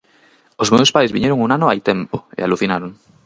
Os meus pais viñeron un ano hai tempo e alucinaron.